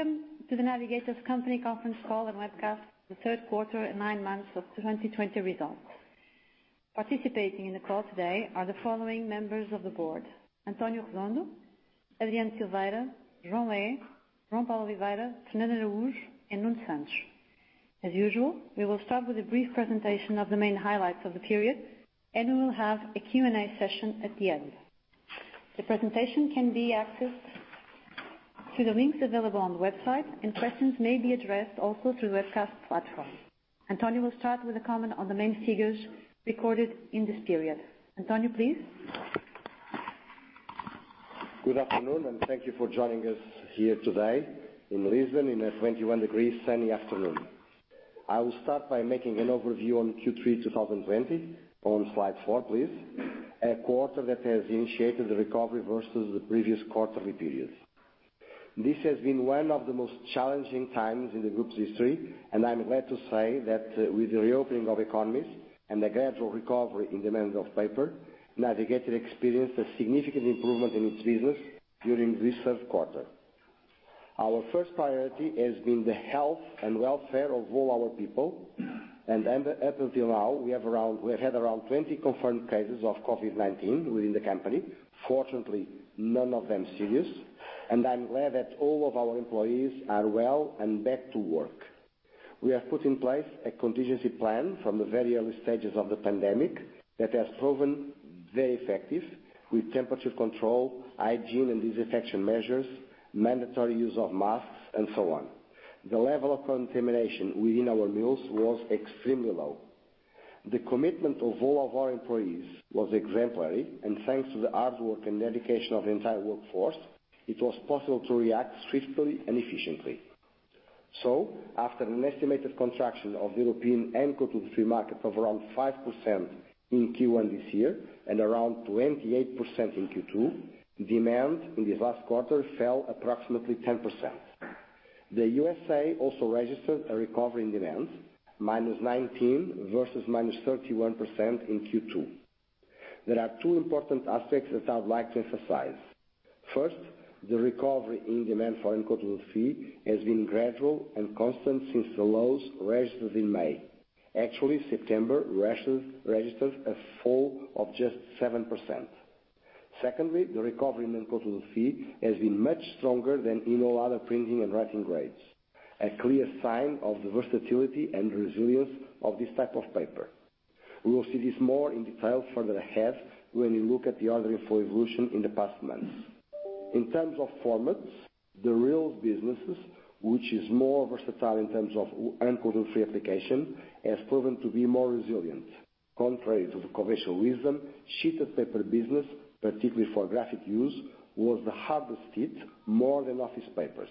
Welcome to The Navigator Company conference call and webcast, the Q3 and nine months of 2020 results. Participating in the call today are the following members of the board, António Redondo, Adriano Silveira, João Leite, João Paulo Oliveira, Fernando Araújo, and Nuno Santos. As usual, we will start with a brief presentation of the main highlights of the period, and we will have a Q&A session at the end. The presentation can be accessed through the links available on the website. Questions may be addressed also through the webcast platform. António will start with a comment on the main figures recorded in this period. António, please. Good afternoon, and thank you for joining us here today in Lisbon in a 21 degrees sunny afternoon. I will start by making an overview on Q3 2020, on slide four, please. A quarter that has initiated the recovery versus the previous quarterly periods. This has been one of the most challenging times in the group's history. I'm glad to say that with the reopening of economies and the gradual recovery in demand of paper, Navigator experienced a significant improvement in its business during this Q3. Our first priority has been the health and welfare of all our people. Up until now, we have had around 20 confirmed cases of COVID-19 within the company. Fortunately, none of them serious. I'm glad that all of our employees are well and back to work. We have put in place a contingency plan from the very early stages of the pandemic that has proven very effective with temperature control, hygiene and disinfection measures, mandatory use of masks, and so on. The level of contamination within our mills was extremely low. The commitment of all of our employees was exemplary, and thanks to the hard work and dedication of the entire workforce, it was possible to react swiftly and efficiently. After an estimated contraction of European coated woodfree market of around 5% in Q1 this year and around 28% in Q2, demand in this last quarter fell approximately 10%. The USA also registered a recovery in demand, -19% versus -31% in Q2. There are two important aspects that I would like to emphasize. First, the recovery in demand for uncoated woodfree has been gradual and constant since the lows registered in May. Actually, September registered a fall of just 7%. The recovery in uncoated woodfree has been much stronger than in all other printing and writing grades. A clear sign of the versatility and resilience of this type of paper. We will see this more in detail further ahead when we look at the ordering for evolution in the past months. In terms of formats, the reel businesses, which is more versatile in terms of uncoated woodfree application, has proven to be more resilient. Contrary to the conventional wisdom, sheet of paper business, particularly for graphic use, was the hardest hit more than office papers,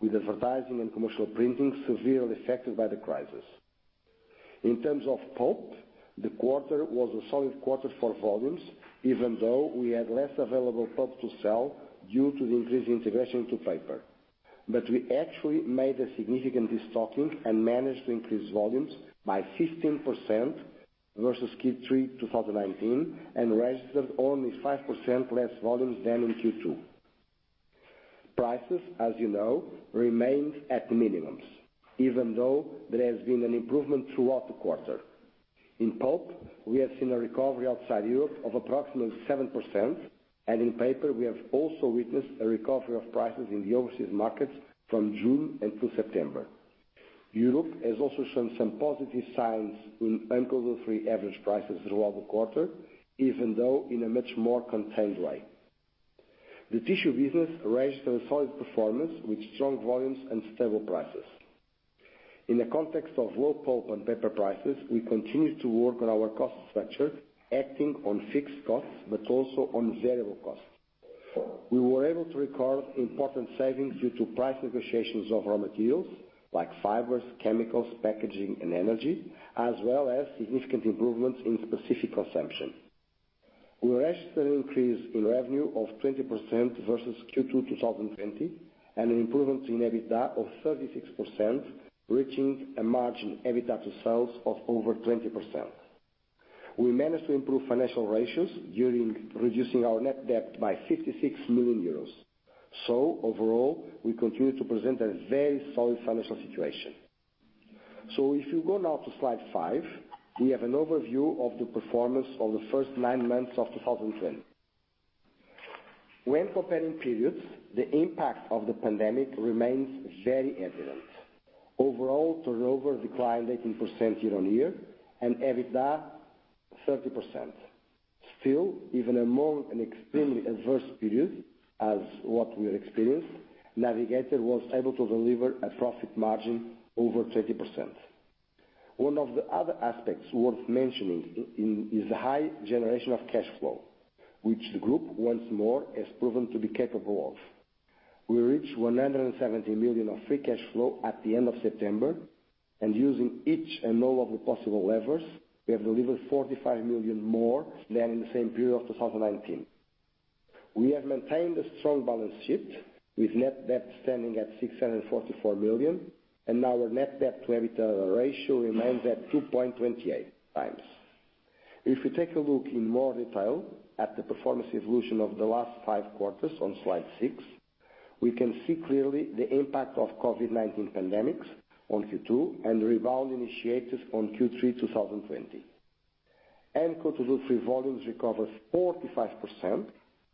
with advertising and commercial printing severely affected by the crisis. In terms of pulp, the quarter was a solid quarter for volumes, even though we had less available pulp to sell due to the increased integration to paper. We actually made a significant restocking and managed to increase volumes by 16% versus Q3 2019, and registered only 5% less volumes than in Q2. Prices, as you know, remained at the minimums, even though there has been an improvement throughout the quarter. In pulp, we have seen a recovery outside Europe of approximately 7%, and in paper, we have also witnessed a recovery of prices in the overseas markets from June until September. Europe has also shown some positive signs in uncoated woodfree average prices throughout the quarter, even though in a much more contained way. The tissue business registered a solid performance with strong volumes and stable prices. In the context of low pulp and paper prices, we continued to work on our cost structure, acting on fixed costs, but also on variable costs. We were able to record important savings due to price negotiations of raw materials like fibers, chemicals, packaging, and energy, as well as significant improvements in specific consumption. We registered an increase in revenue of 20% versus Q2 2020, and an improvement in EBITDA of 36%, reaching a margin EBITDA to sales of over 20%. We managed to improve financial ratios during reducing our net debt by 56 million euros. Overall, we continue to present a very solid financial situation. If you go now to slide five, we have an overview of the performance of the first nine months of 2020. When comparing periods, the impact of the pandemic remains very evident. Overall, turnover declined 18% year-on-year and EBITDA 30%. Still, even among an extremely adverse period as what we have experienced, Navigator was able to deliver a profit margin over 30%. One of the other aspects worth mentioning is the high generation of cash flow, which the group once more has proven to be capable of. We reached 170 million of free cash flow at the end of September, and using each and all of the possible levers, we have delivered 45 million more than in the same period of 2019. We have maintained a strong balance sheet with net debt standing at 644 million, and our net debt to EBITDA ratio remains at 2.28 times. If you take a look in more detail at the performance evolution of the last five quarters on slide six, we can see clearly the impact of COVID-19 pandemics on Q2 and rebound initiatives on Q3 2020. Uncoated woodfree volumes recovered 45%,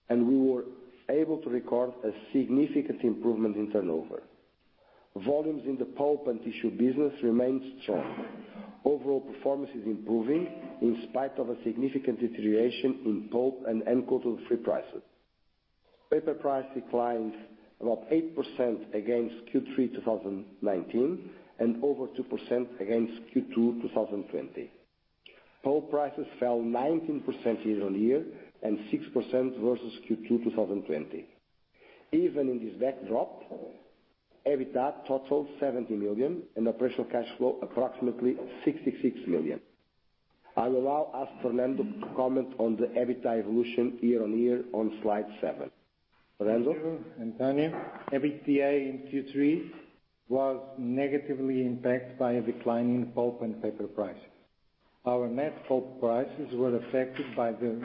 and we were able to record a significant improvement in turnover. Volumes in the pulp and tissue business remains strong. Overall performance is improving, in spite of a significant deterioration in pulp and uncoated woodfree prices. Paper price declines about 8% against Q3 2019, and over 2% against Q2 2020. Pulp prices fell 19% year-on-year and 6% versus Q2 2020. Even in this backdrop, EBITDA totaled 70 million and operational cash flow approximately 66 million. I will now ask Fernando to comment on the EBITDA evolution year-on-year on slide seven. Fernando? Thank you, Antonio. EBITDA in Q3 was negatively impacted by a decline in pulp and paper prices. Our net pulp prices were affected by the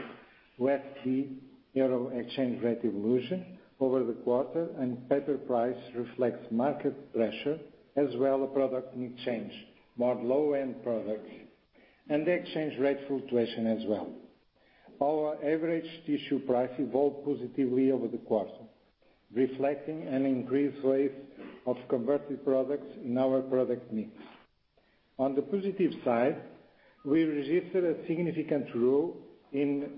weak key euro exchange rate evolution over the quarter, paper price reflects market pressure as well a product mix change, more low-end products, and the exchange rate fluctuation as well. Our average tissue price evolved positively over the quarter, reflecting an increased rate of converted products in our product mix. On the positive side, we registered a significant growth in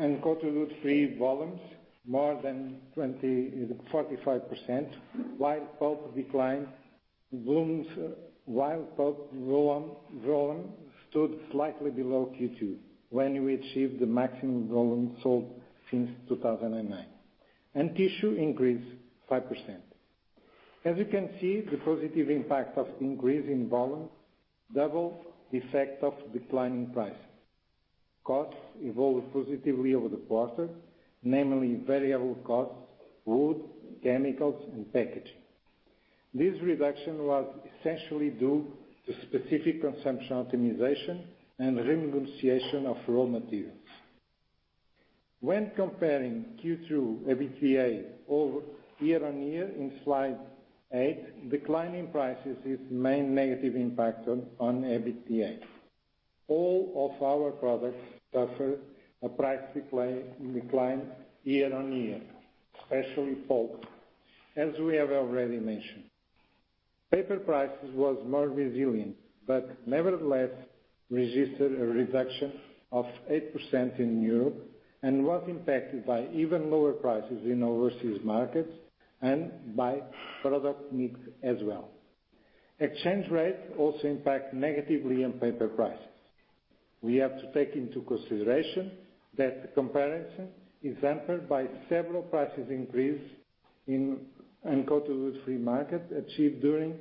uncoated woodfree volumes, more than 45%, while pulp volume stood slightly below Q2, when we achieved the maximum volume sold since 2009. Tissue increased 5%. As you can see, the positive impact of increase in volume double the effect of declining prices. Costs evolved positively over the quarter, namely variable costs, wood, chemicals, and packaging. This reduction was essentially due to specific consumption optimization and renegotiation of raw materials. When comparing Q2 EBITDA over year-on-year in slide eight, declining prices is main negative impact on EBITDA. All of our products suffered a price decline year-on-year, especially pulp, as we have already mentioned. Nevertheless, registered a reduction of 8% in Europe and was impacted by even lower prices in overseas markets and by product mix as well. Exchange rate also impacts negatively on paper prices. We have to take into consideration that the comparison is hampered by several prices increase in uncoated woodfree market achieved during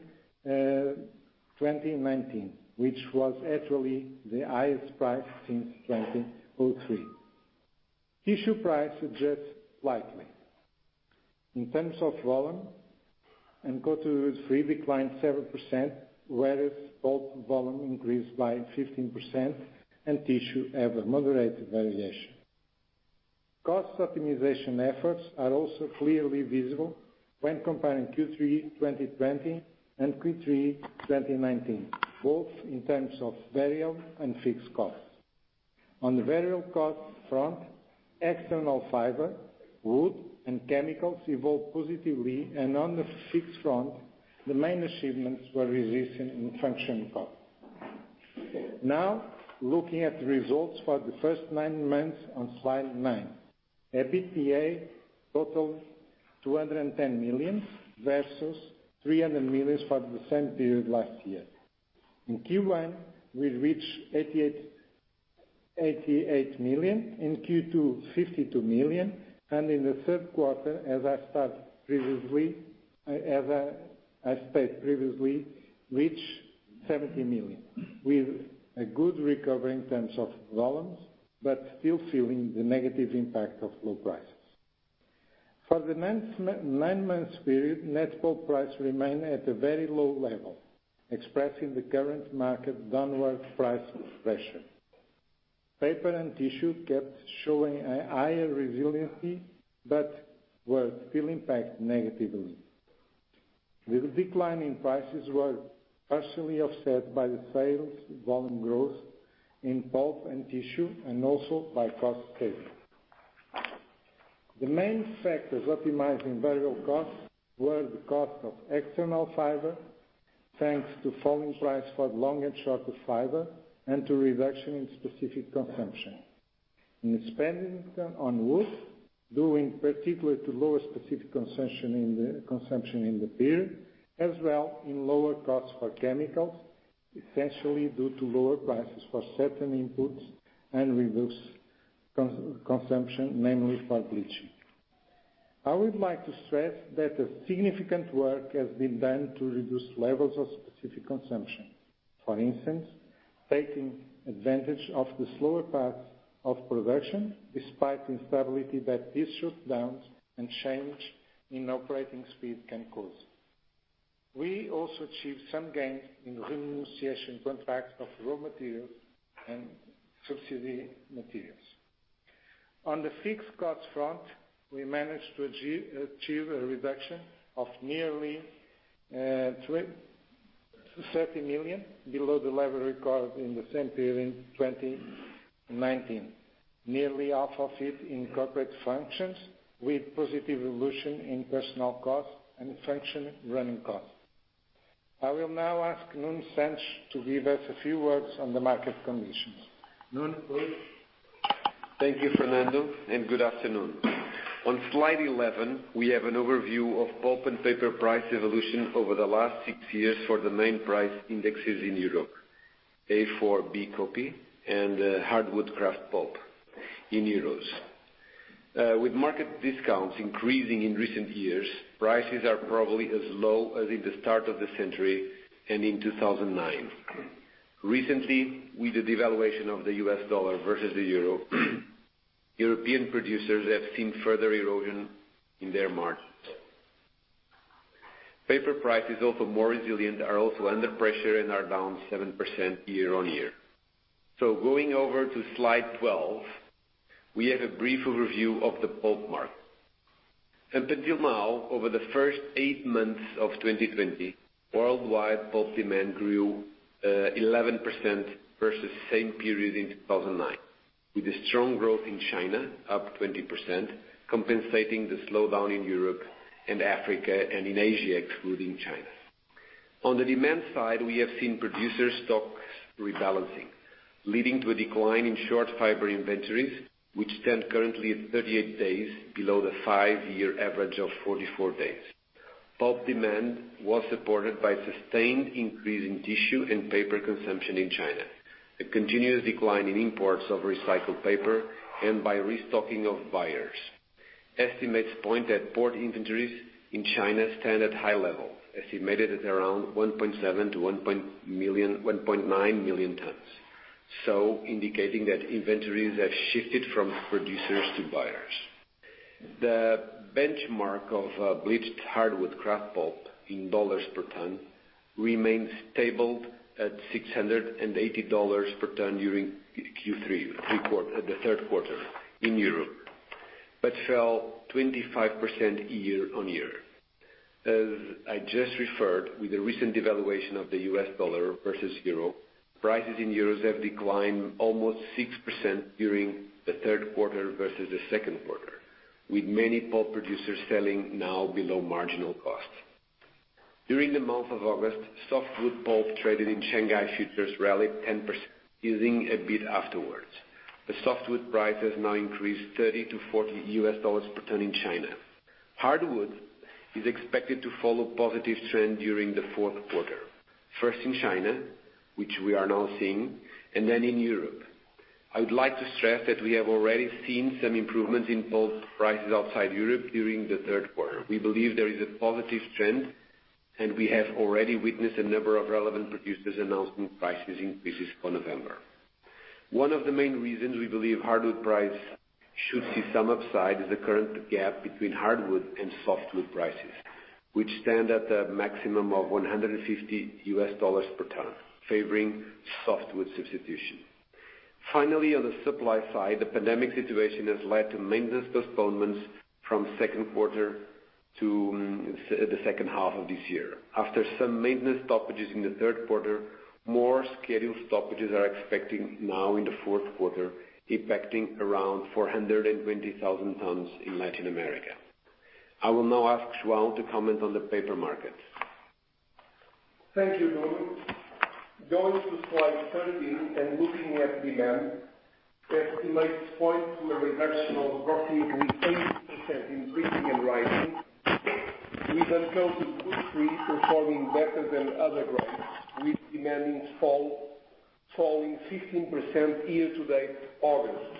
2019, which was actually the highest price since 2003. Tissue price adjust slightly. In terms of volume, uncoated woodfree declined 7%, whereas pulp volume increased by 15% and tissue have a moderate variation. Cost optimization efforts are also clearly visible when comparing Q3 2020 and Q3 2019, both in terms of variable and fixed costs. On the variable cost front, external fiber, wood, and chemicals evolved positively, and on the fixed front, the main achievements were registered in function cost. Looking at the results for the first nine months on slide nine. EBITDA totaled 210 million versus 300 million for the same period last year. In Q1, we reached 88 million, in Q2 52 million, and in the Q3, as I've stated previously, reached 70 million, with a good recovery in terms of volumes, but still feeling the negative impact of low prices. For the nine months period, net pulp price remained at a very low level, expressing the current market downward price pressure. Paper and tissue kept showing a higher resiliency, but were still impacted negatively. With a decline in prices were partially offset by the sales volume growth in pulp and tissue and also by cost savings. The main factors optimizing variable costs were the cost of external fiber, thanks to falling price for long and short fiber, and to reduction in specific consumption. In spending on wood, due in particular to lower specific consumption in the period, as well in lower costs for chemicals, essentially due to lower prices for certain inputs and reduced consumption, namely for bleaching. I would like to stress that a significant work has been done to reduce levels of specific consumption. For instance, taking advantage of the slower path of production, despite instability that these shutdowns and change in operating speed can cause. We also achieved some gains in renegotiation contracts of raw materials and subsidiary materials. On the fixed cost front, we managed to achieve a reduction of nearly 30 million below the level recorded in the same period in 2019, nearly half of it in corporate functions with positive evolution in personnel cost and function running cost. I will now ask Nuno Santos to give us a few words on the market conditions. Nuno, go ahead. Thank you, Fernando, and good afternoon. On slide 11, we have an overview of pulp and paper price evolution over the last six years for the main price indexes in Europe, A4 B-Copy and hardwood kraft pulp in EUR. With market discounts increasing in recent years, prices are probably as low as in the start of the century and in 2009. Recently, with the devaluation of the U.S. dollar versus the EUR, European producers have seen further erosion in their margins. Paper prices also more resilient, are also under pressure and are down 7% year-on-year. Going over to slide 12, we have a brief overview of the pulp market. Until now, over the first eight months of 2020, worldwide pulp demand grew 11% versus same period in 2009, with a strong growth in China up 20%, compensating the slowdown in Europe and Africa and in Asia, excluding China. On the demand side, we have seen producer stocks rebalancing, leading to a decline in short fiber inventories, which stand currently at 38 days below the five-year average of 44 days. Pulp demand was supported by sustained increase in tissue and paper consumption in China, a continuous decline in imports of recycled paper, and by restocking of buyers. Estimates point that port inventories in China stand at high level, estimated at around 1.7-1.9 million tons. Indicating that inventories have shifted from producers to buyers. The benchmark of bleached hardwood kraft pulp in dollars per ton remains stable at $680 per ton during Q3, in Europe, but fell 25% year-on-year. As I just referred with the recent devaluation of the US dollar versus euro, prices in euros have declined almost 6% during the Q3 versus the Q2, with many pulp producers selling now below marginal cost. During the month of August, softwood pulp traded in Shanghai Futures rallied 10%, easing a bit afterwards. The softwood price has now increased $30-$40 per ton in China. Hardwood is expected to follow a positive trend during the Q4, first in China, which we are now seeing, and then in Europe. I would like to stress that we have already seen some improvements in pulp prices outside Europe during the Q3. We believe there is a positive trend. We have already witnessed a number of relevant producers announcing price increases for November. One of the main reasons we believe hardwood price should see some upside is the current gap between hardwood and softwood prices, which stand at a maximum of $150 per ton, favoring softwood substitution. Finally, on the supply side, the pandemic situation has led to maintenance postponements from Q2 to the H2 of this year. After some maintenance stoppages in the Q3, more scheduled stoppages are expecting now in the Q4, impacting around 420,000 tons in Latin America. I will now ask João to comment on the paper market. Thank you, Nuno. Going to slide 13 and looking at demand, estimates point to a reduction of roughly 28% in printing and writing, with uncoated woodfree performing better than other grades, with demand falling 15% year to date August.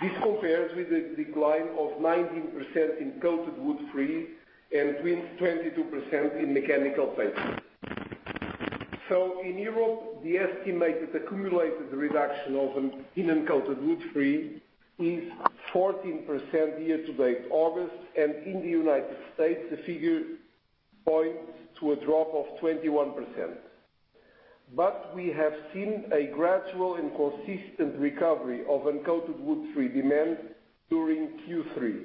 This compares with a decline of 19% in coated woodfree and 22% in mechanical paper. In Europe, the estimated accumulated reduction of an uncoated woodfree is 14% year to date August, and in the United States, the figure points to a drop of 21%. We have seen a gradual and consistent recovery of uncoated woodfree demand during Q3.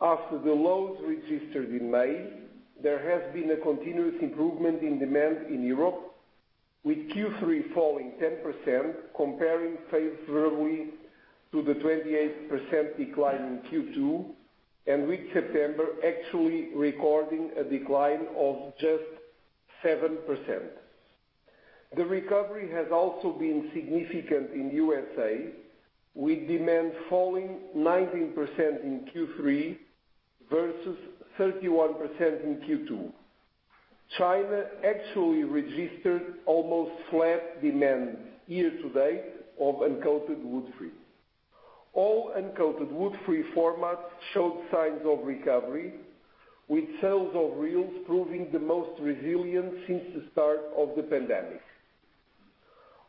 After the lows registered in May, there has been a continuous improvement in demand in Europe, with Q3 falling 10%, comparing favorably to the 28% decline in Q2, and with September actually recording a decline of just 7%. The recovery has also been significant in U.S., with demand falling 19% in Q3 versus 31% in Q2. China actually registered almost flat demand year to date of uncoated woodfree. All uncoated woodfree formats showed signs of recovery, with sales of reels proving the most resilient since the start of the pandemic.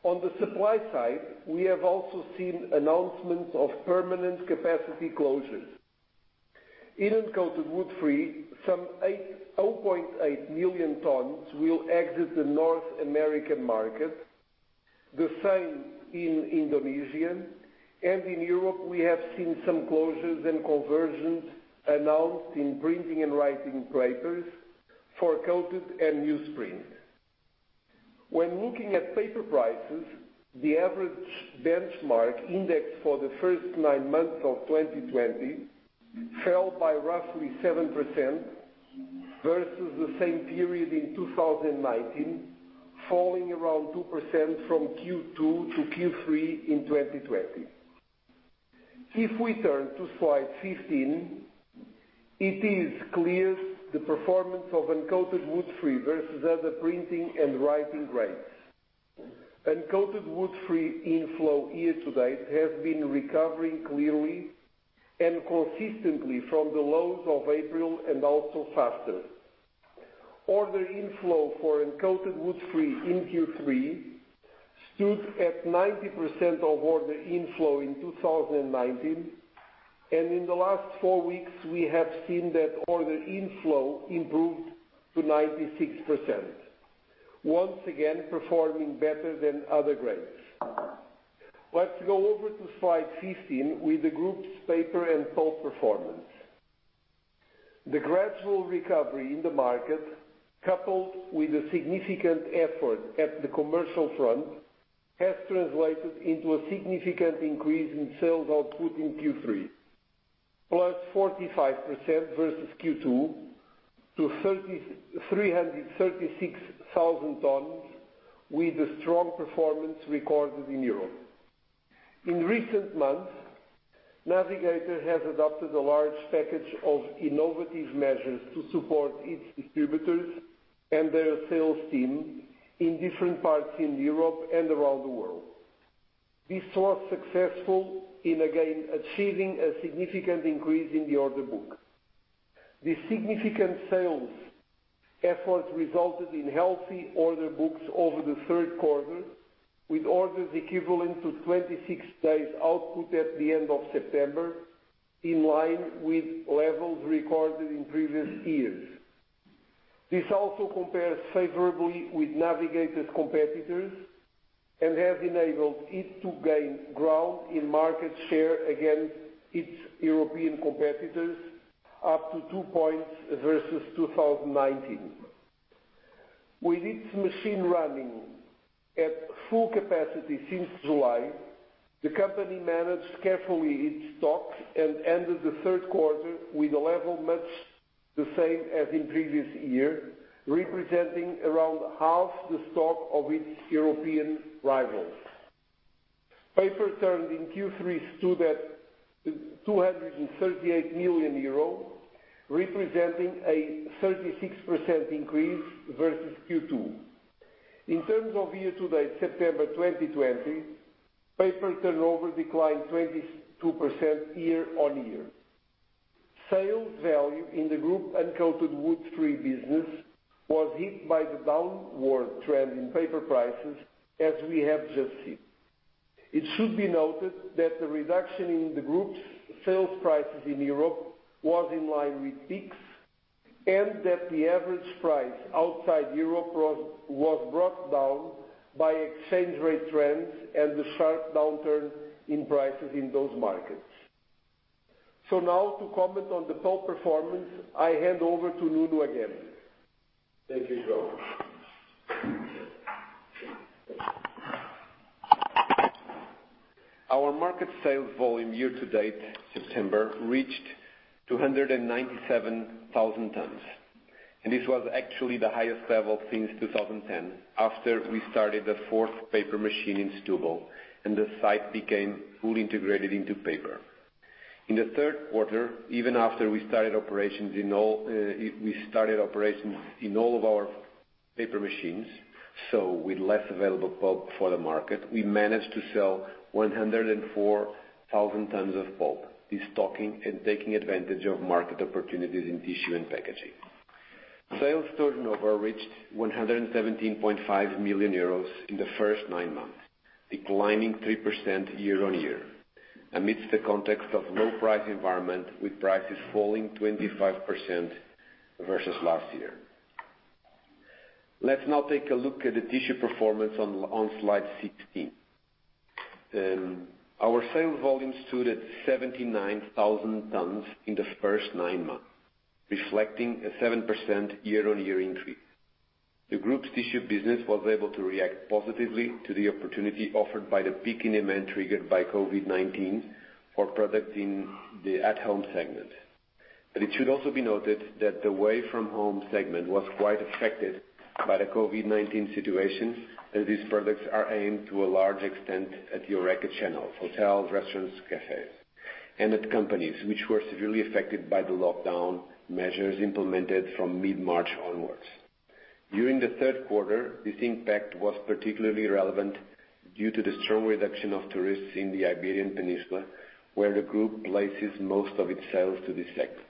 On the supply side, we have also seen announcements of permanent capacity closures. In uncoated woodfree, some 0.8 million tons will exit the North American market, the same in Indonesia, and in Europe, we have seen some closures and conversions announced in printing and writing papers for coated and newsprint. When looking at paper prices, the average benchmark index for the first nine months of 2020 fell by roughly 7% versus the same period in 2019, falling around 2% from Q2-Q3 in 2020. If we turn to slide 15, it is clear the performance of uncoated woodfree versus other printing and writing grades. Uncoated woodfree inflow year-to-date has been recovering clearly and consistently from the lows of April and also faster. Order inflow for uncoated woodfree in Q3 stood at 90% of order inflow in 2019, and in the last four weeks, we have seen that order inflow improved to 96%, once again performing better than other grades. Let's go over to slide 16 with the group's paper and pulp performance. The gradual recovery in the market, coupled with a significant effort at the commercial front, has translated into a significant increase in sales output in Q3, +45% versus Q2 to 336,000 tons with a strong performance recorded in Europe. In recent months, Navigator has adopted a large package of innovative measures to support its distributors and their sales team in different parts in Europe and around the world. This was successful in again achieving a significant increase in the order book. The significant sales efforts resulted in healthy order books over the Q3, with orders equivalent to 26 days output at the end of September, in line with levels recorded in previous years. This also compares favorably with Navigator's competitors and has enabled it to gain ground in market share against its European competitors, up to two points versus 2019. With its machine running at full capacity since July, the company managed carefully its stocks and ended the Q3 with a level much the same as in previous year, representing around half the stock of its European rivals. Paper turnover in Q3 stood at 238 million euro, representing a 36% increase versus Q2. In terms of year-to-date September 2020, paper turnover declined 22% year-on-year. Sales value in the group uncoated woodfree business was hit by the downward trend in paper prices, as we have just seen. It should be noted that the reduction in the group's sales prices in Europe was in line with PIX, and that the average price outside Europe was brought down by exchange rate trends and the sharp downturn in prices in those markets. Now to comment on the pulp performance, I hand over to Nuno again. Thank you, João. Our market sales volume year-to-date September reached 297,000 tons. This was actually the highest level since 2010, after we started the fourth paper machine in Setúbal. The site became fully integrated into paper. In the Q3, even after we started operations in all of our paper machines, with less available pulp for the market, we managed to sell 104,000 tons of pulp, restocking and taking advantage of market opportunities in tissue and packaging. Sales turnover reached €117.5 million in the first nine months, declining 3% year on year amidst the context of low-price environment with prices falling 25% versus last year. Let's now take a look at the tissue performance on slide 16. Our sales volume stood at 79,000 tons in the first nine months, reflecting a 7% year on year increase. The group's tissue business was able to react positively to the opportunity offered by the peak in demand triggered by COVID-19 for products in the at-home segment. It should also be noted that the away from home segment was quite affected by the COVID-19 situation, as these products are aimed to a large extent at the HORECA channel, hotels, restaurants, cafes, and at companies which were severely affected by the lockdown measures implemented from mid-March onwards. During the Q3, this impact was particularly relevant due to the strong reduction of tourists in the Iberian Peninsula, where the group places most of its sales to this sector.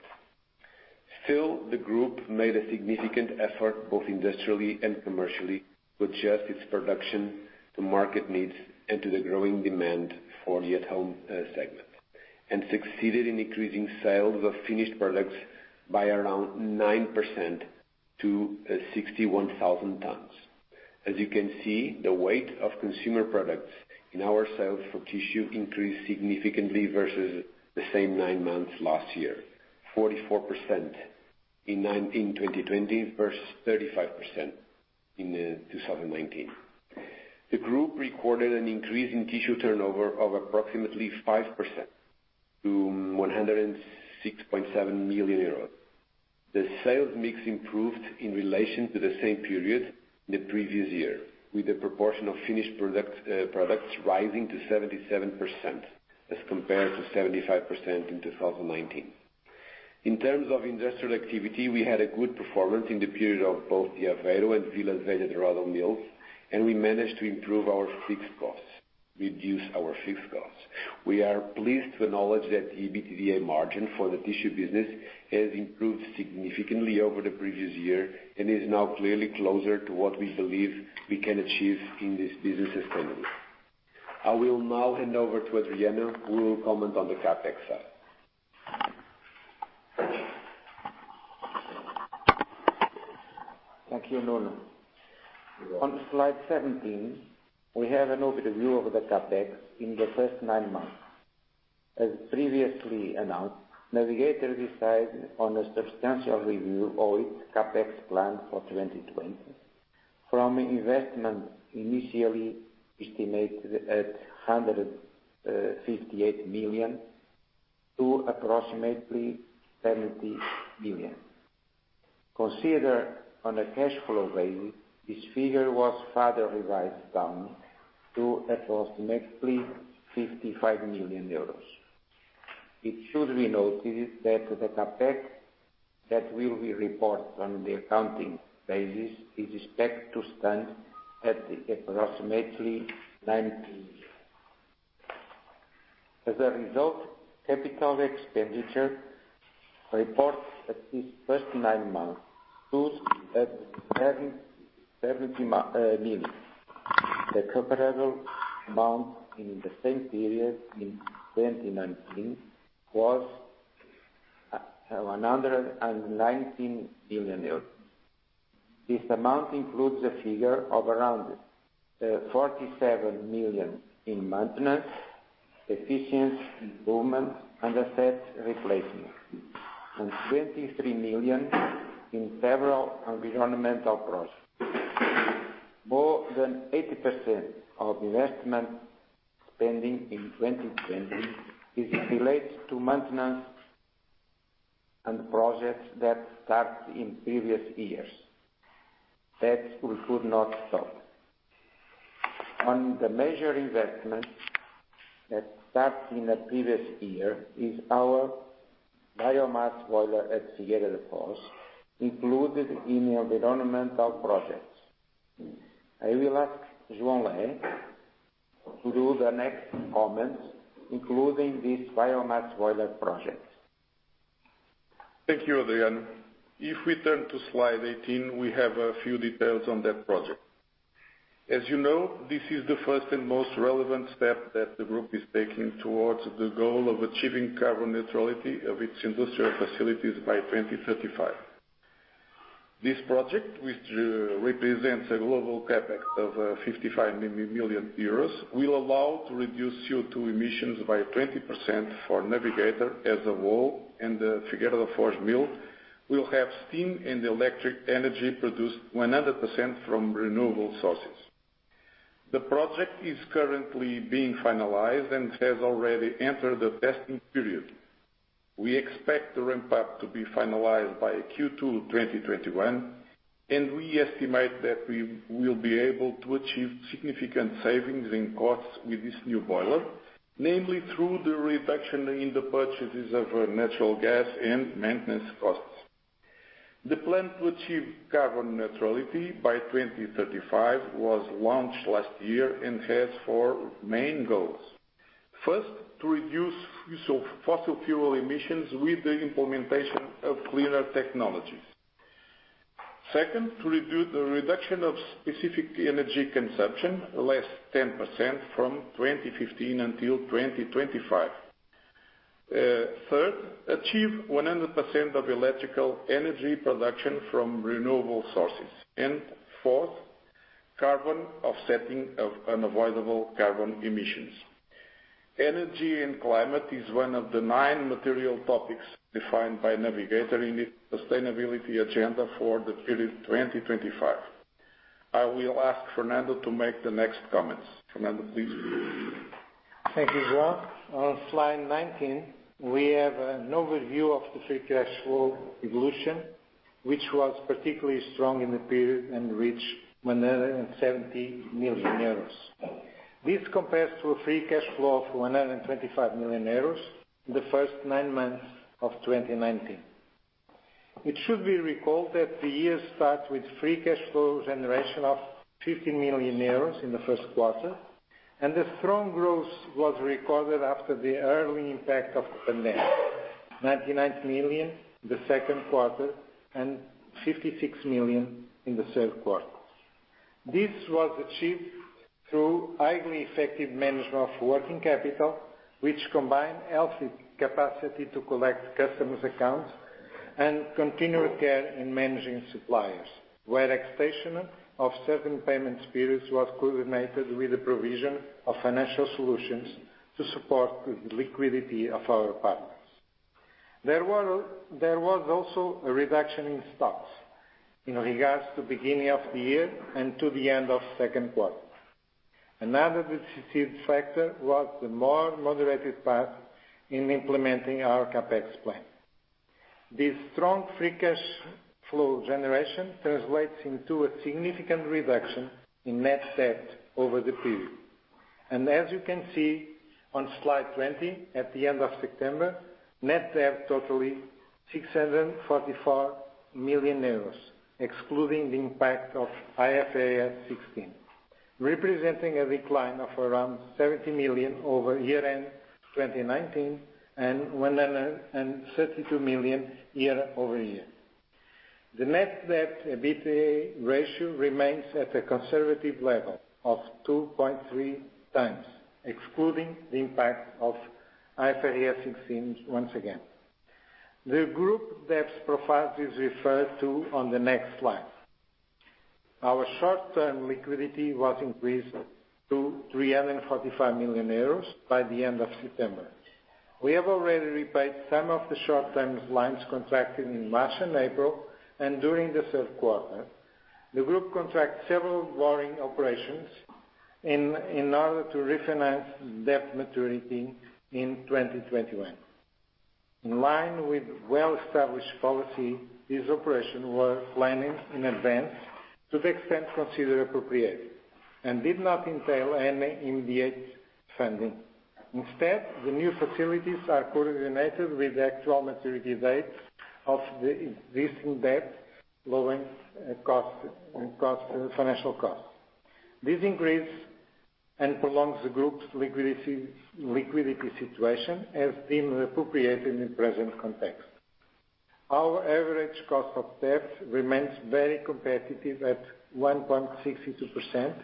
The group made a significant effort, both industrially and commercially, to adjust its production to market needs and to the growing demand for the at-home segment, and succeeded in increasing sales of finished products by around 9% to 61,000 tons. As you can see, the weight of consumer products in our sales for tissue increased significantly versus the same nine months last year, 44% in 2020 versus 35% in 2019. The group recorded an increase in tissue turnover of approximately 5% to 106.7 million euros. The sales mix improved in relation to the same period the previous year, with the proportion of finished products rising to 77%, as compared to 75% in 2019. In terms of industrial activity, we had a good performance in the period of both Aveiro and Vila Velha de Ródão Mills, and we managed to improve our fixed costs, reduce our fixed costs. We are pleased to acknowledge that the EBITDA margin for the tissue business has improved significantly over the previous year, and is now clearly closer to what we believe we can achieve in this business sustainable. I will now hand over to Adriano, who will comment on the CapEx side. Thank you, Nuno. On slide 17, we have an overview of the CapEx in the first nine months. As previously announced, Navigator decided on a substantial review of its CapEx plan for 2020 from investment initially estimated at 158 million to approximately 70 million. Considered on a cash flow basis, this figure was further revised down to approximately 55 million euros. It should be noted that the CapEx that will be reported on the accounting basis is expected to stand at approximately EUR 90. As a result, capital expenditure reports at this first nine months stood at EUR 70 million. The comparable amount in the same period in 2019 was 119 million euros. This amount includes a figure of around 47 million in maintenance, efficiency improvements, and asset replacement, and 23 million in several environmental projects. More than 80% of investment spending in 2020 is related to maintenance and projects that started in previous years that we could not stop. On the major investment that started in the previous year is our biomass boiler at Figueira da Foz, included in the environmental projects. I will ask João Leite to do the next comments, including this biomass boiler project. Thank you, Adriano. If we turn to slide 18, we have a few details on that project. As you know, this is the first and most relevant step that the group is taking towards the goal of achieving carbon neutrality of its industrial facilities by 2035. This project, which represents a global CapEx of 55 million euros, will allow to reduce CO2 emissions by 20% for Navigator as a whole, and the Figueira da Foz mill will have steam and electric energy produced 100% from renewable sources. The project is currently being finalized and has already entered the testing period. We expect the ramp-up to be finalized by Q2 2021, and we estimate that we will be able to achieve significant savings in costs with this new boiler, namely through the reduction in the purchases of natural gas and maintenance costs. The plan to achieve carbon neutrality by 2035 was launched last year and has four main goals. First, to reduce fossil fuel emissions with the implementation of cleaner technologies. Second, to reduce specific energy consumption, less 10% from 2015 until 2025. Third, achieve 100% of electrical energy production from renewable sources. Fourth, carbon offsetting of unavoidable carbon emissions. Energy and climate is one of the nine material topics defined by Navigator in its sustainability agenda for the period 2025. I will ask Fernando to make the next comments. Fernando, please. Thank you, João. On slide 19, we have an overview of the free cash flow evolution, which was particularly strong in the period and reached 170 million euros. This compares to a free cash flow of 125 million euros in the first nine months of 2019. It should be recalled that the year start with free cash flow generation of 15 million euros in the Q1. The strong growth was recorded after the early impact of the pandemic. 99 million the Q2, and 56 million in the Q3. This was achieved through highly effective management of working capital, which combined healthy capacity to collect customers' accounts and continued care in managing suppliers, where extension of certain payment periods was coordinated with the provision of financial solutions to support the liquidity of our partners. There was also a reduction in stocks in regard to beginning of the year and to the end of Q2. Another decisive factor was the more moderated path in implementing our CapEx plan. This strong free cash flow generation translates into a significant reduction in net debt over the period. As you can see on slide 20, at the end of September, net debt totaling 644 million euros, excluding the impact of IFRS 16, representing a decline of around 70 million over year-end 2019, and 132 million year-over-year. The net debt to EBITDA ratio remains at a conservative level of 2.3 times, excluding the impact of IFRS 16 once again. The group debt's profile is referred to on the next slide. Our short-term liquidity was increased to 345 million euros by the end of September. We have already repaid some of the short-term loans contracted in March and April, and during the Q3. The group contract several borrowing operations in order to refinance debt maturity in 2021. In line with well-established policy, this operation was planned in advance to the extent considered appropriate and did not entail any immediate funding. Instead, the new facilities are coordinated with the actual maturity dates of the existing debt, lowering financial costs. This increase and prolongs the group's liquidity situation as deemed appropriate in the present context. Our average cost of debt remains very competitive at 1.62%,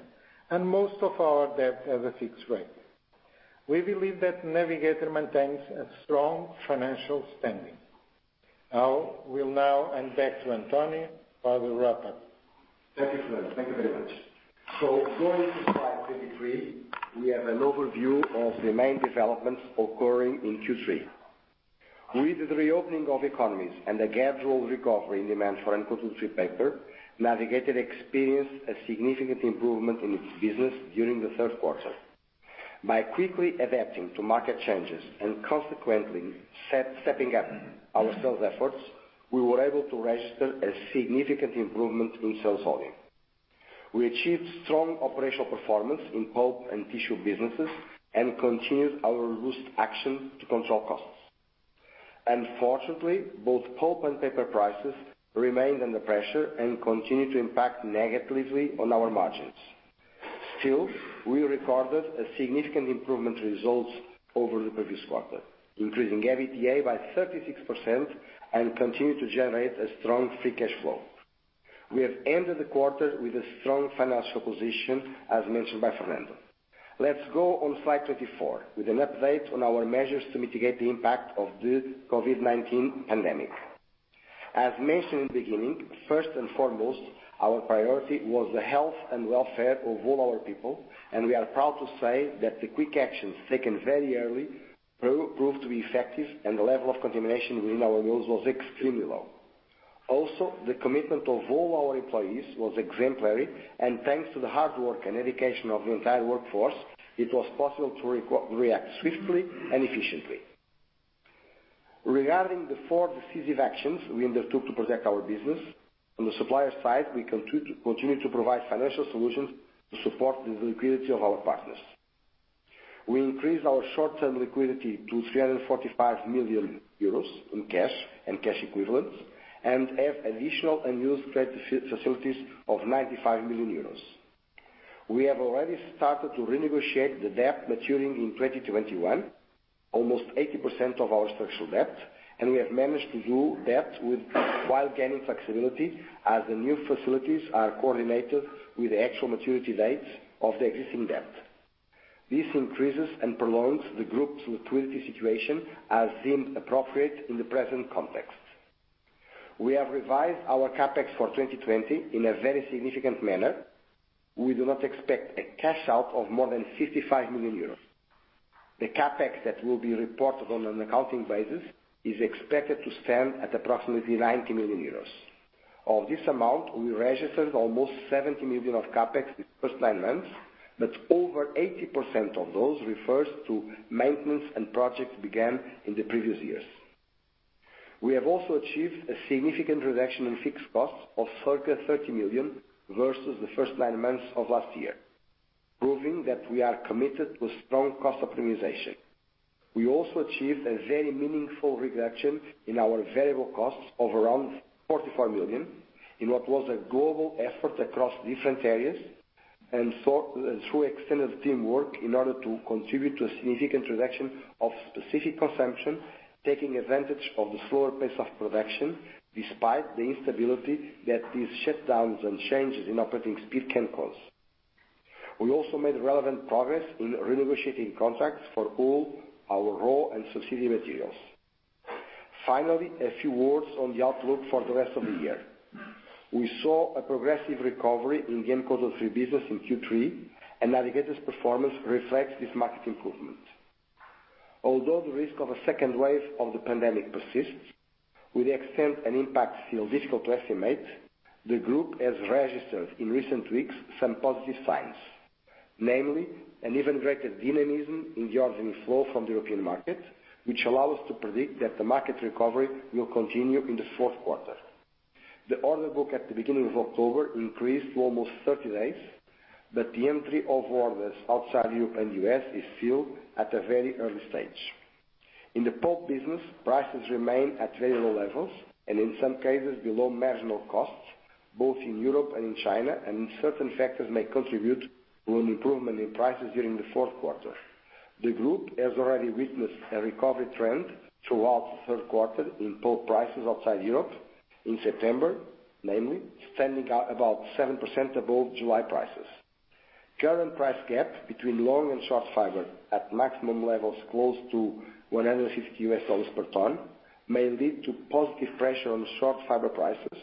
and most of our debt has a fixed rate. We believe that Navigator maintains a strong financial standing. I will now hand back to António for the wrap-up. Thank you, Fernando. Thank you very much. Going to slide 23, we have an overview of the main developments occurring in Q3. With the reopening of economies and a gradual recovery in demand for and cultural paper, Navigator experienced a significant improvement in its business during the Q3. By quickly adapting to market changes and consequently stepping up our sales efforts, we were able to register a significant improvement in sales volume. We achieved strong operational performance in pulp and tissue businesses and continued our reduced action to control costs. Unfortunately, both pulp and paper prices remained under pressure and continued to impact negatively on our margins. We recorded a significant improvement results over the previous quarter, increasing EBITDA by 36% and continued to generate a strong free cash flow. We have ended the quarter with a strong financial position, as mentioned by Fernando. Let's go on slide 24 with an update on our measures to mitigate the impact of the COVID-19 pandemic. As mentioned in the beginning, first and foremost, our priority was the health and welfare of all our people, and we are proud to say that the quick actions taken very early proved to be effective, and the level of contamination within our mills was extremely low. The commitment of all our employees was exemplary, and thanks to the hard work and dedication of the entire workforce, it was possible to react swiftly and efficiently. Regarding the four decisive actions we undertook to protect our business, on the supplier side, we continue to provide financial solutions to support the liquidity of our partners. We increased our short-term liquidity to 345 million euros in cash and cash equivalents and have additional unused credit facilities of 95 million euros. We have already started to renegotiate the debt maturing in 2021, almost 80% of our structural debt, and we have managed to do that while gaining flexibility, as the new facilities are coordinated with the actual maturity dates of the existing debt. This increases and prolongs the group's liquidity situation as deemed appropriate in the present context. We have revised our CapEx for 2020 in a very significant manner. We do not expect a cash-out of more than 55 million euros. The CapEx that will be reported on an accounting basis is expected to stand at approximately 90 million euros. Of this amount, we registered almost 70 million of CapEx the first nine months, but over 80% of those refers to maintenance and projects began in the previous years. We have also achieved a significant reduction in fixed costs of circa 30 million versus the first nine months of last year, proving that we are committed to a strong cost optimization. We also achieved a very meaningful reduction in our variable costs of around 45 million in what was a global effort across different areas and through extended teamwork in order to contribute to a significant reduction of specific consumption, taking advantage of the slower pace of production despite the instability that these shutdowns and changes in operating speed can cause. We also made relevant progress in renegotiating contracts for all our raw and subsidiary materials. Finally, a few words on the outlook for the rest of the year. We saw a progressive recovery in the uncoated woodfree business in Q3, and Navigator's performance reflects this market improvement. Although the risk of a second wave of the pandemic persists, with the extent and impact still difficult to estimate, the group has registered in recent weeks some positive signs. Namely, an even greater dynamism in the ordering flow from the European market, which allow us to predict that the market recovery will continue in the Q4. The order book at the beginning of October increased to almost 30 days. The entry of orders outside Europe and U.S. is still at a very early stage. In the pulp business, prices remain at very low levels, and in some cases below marginal costs, both in Europe and in China. Certain factors may contribute to an improvement in prices during the Q4. The group has already witnessed a recovery trend throughout the Q3 in pulp prices outside Europe. In September, namely, standing about 7% above July prices. Current price gap between long and short fiber at maximum levels close to $150 per ton may lead to positive pressure on short fiber prices.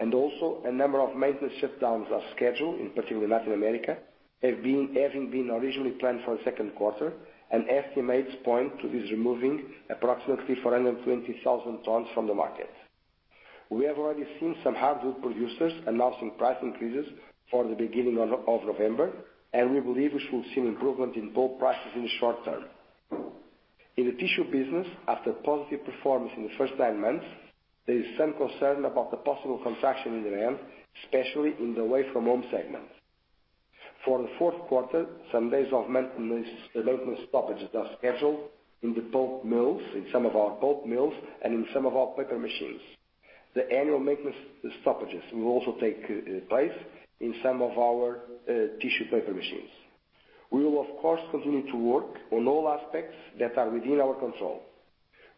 A number of maintenance shutdowns are scheduled, in particular Latin America, having been originally planned for the Q2, and estimates point to this removing approximately 420,000 tons from the market. We have already seen some hardwood producers announcing price increases for the beginning of November, and we believe we should see an improvement in pulp prices in the short term. In the tissue business, after positive performance in the first nine months, there is some concern about the possible contraction in demand, especially in the away-from-home segment. For the Q4, some days of maintenance stoppages are scheduled in some of our pulp mills and in some of our paper machines. The annual maintenance stoppages will also take place in some of our tissue paper machines. We will, of course, continue to work on all aspects that are within our control.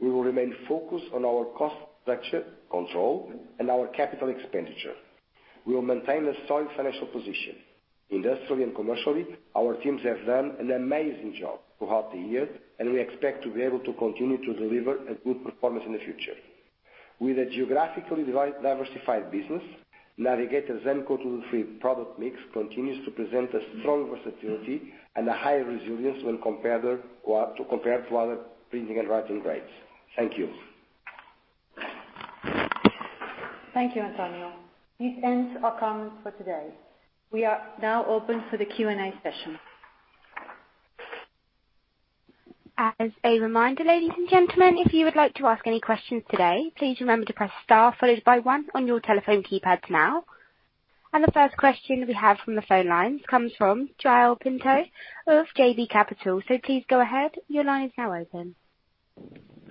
We will remain focused on our cost structure control and our capital expenditure. We will maintain a solid financial position. Industrially and commercially, our teams have done an amazing job throughout the year, and we expect to be able to continue to deliver a good performance in the future. With a geographically diversified business, Navigator's uncoated woodfree product mix continues to present a strong versatility and a higher resilience when compared to other printing and writing grades. Thank you. Thank you, Antonio. This ends our comments for today. We are now open for the Q&A session. As a reminder, ladies and gentlemen, if you would like to ask any questions today, please remember to press star followed by one on your telephone keypads now. The first question we have from the phone lines comes from João Pinto of JB Capital. Please go ahead. Your line is now open.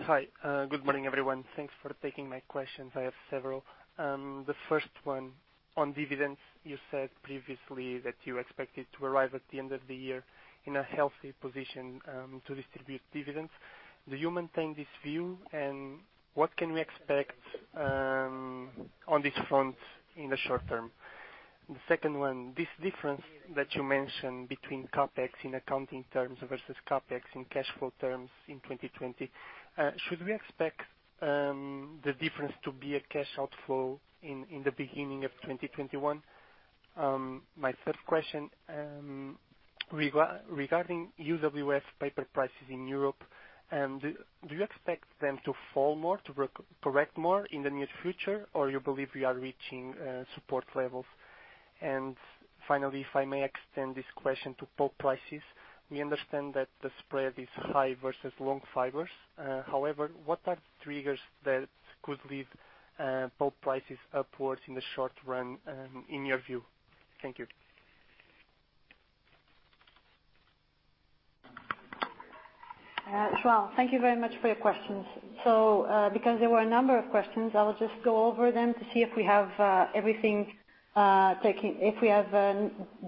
Hi. Good morning, everyone. Thanks for taking my questions. I have several. The first one on dividends. You said previously that you expected to arrive at the end of the year in a healthy position to distribute dividends. Do you maintain this view? What can we expect on this front in the short term? The second one, this difference that you mentioned between CapEx in accounting terms versus CapEx in cash flow terms in 2020, should we expect the difference to be a cash outflow in the beginning of 2021? My third question, regarding UWF paper prices in Europe, do you expect them to fall more, to correct more in the near future or you believe we are reaching support levels? Finally, if I may extend this question to pulp prices, we understand that the spread is high versus long fibers. However, what are the triggers that could lead pulp prices upwards in the short run in your view? Thank you. João, thank you very much for your questions. Because there were a number of questions, I will just go over them to see if we have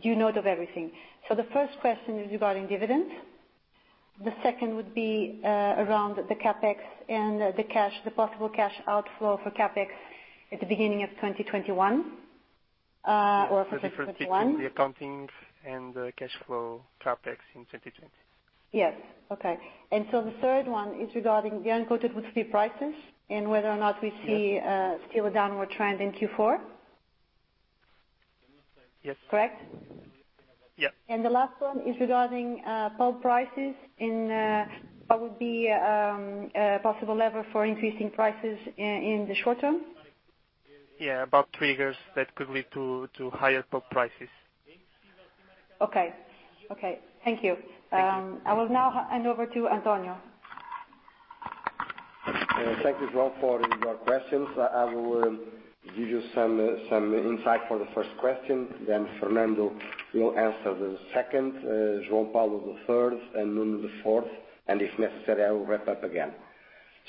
due note of everything. The first question is regarding dividends. The second would be around the CapEx and the possible cash outflow for CapEx at the beginning of 2021. The difference between the accounting and the cash flow CapEx in 2020. Yes. Okay. The third one is regarding the uncoated woodfree prices and whether or not we see still a downward trend in Q4. Yes. Correct? Yeah. The last one is regarding pulp prices and what would be a possible level for increasing prices in the short term. Yeah. About triggers that could lead to higher pulp prices. Okay. Thank you. Thank you. I will now hand over to António. Thank you, João, for your questions. I will give you some insight for the first question, then Fernando will answer the second, João Paulo, the third, and Nuno the fourth. If necessary, I will wrap up again.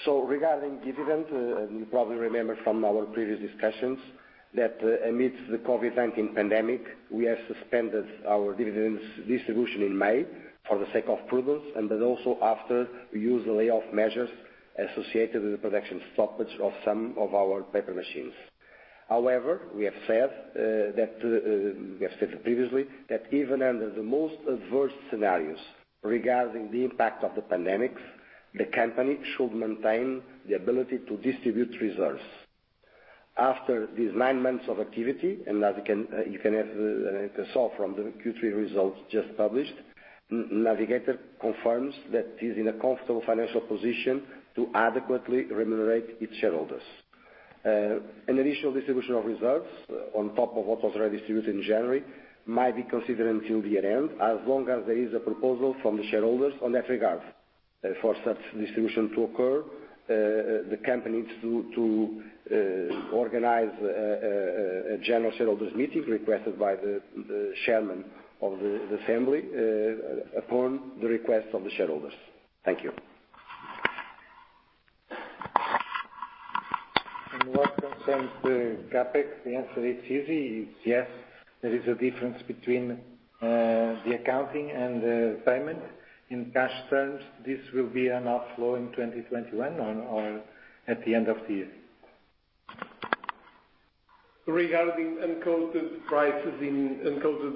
Regarding dividend, you probably remember from our previous discussions that amidst the COVID-19 pandemic, we have suspended our dividends distribution in May for the sake of prudence, then also after, we used the layoff measures associated with the production stoppage of some of our paper machines. We have said previously that even under the most adverse scenarios regarding the impact of the pandemics, the company should maintain the ability to distribute reserves. After these nine months of activity, and as you can see from the Q3 results just published, Navigator confirms that it is in a comfortable financial position to adequately remunerate its shareholders. An initial distribution of reserves on top of what was already distributed in January might be considered until year-end, as long as there is a proposal from the shareholders in that regard. For such distribution to occur, the company needs to organize a general shareholders meeting requested by the chairman of the assembly upon the request of the shareholders. Thank you. What concerns the CapEx, the answer is easy. It's yes, there is a difference between the accounting and the payment. In cash terms, this will be an outflow in 2021 or at the end of the year. Regarding uncoated